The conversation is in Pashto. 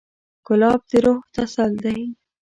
ګلاب د روح تسل دی.